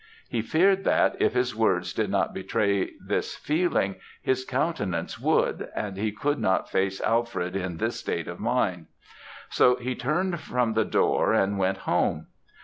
He feared that, if his words did not betray this feeling, his countenance would, and he could not face Alfred in this state of mind; so he turned from the door and went home.